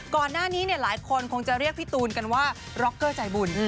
ก่อนหน้านี้หลายคนคงจะเรียกพี่ตูนกันว่าร็อกเกอร์ใจบุญ